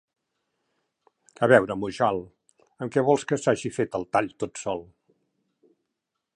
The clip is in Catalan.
A veure, Mujal, amb què vols que s'hagi fet el tall tot sol?